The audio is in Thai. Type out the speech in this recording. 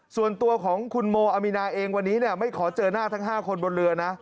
ส่วนตัวของคุณโมอามีนาเองวันนี้ไม่ขอเจอหน้าทั้ง๕คนบนเรือนะ